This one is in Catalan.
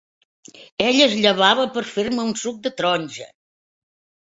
Ell es llevava per fer-me un suc de taronja!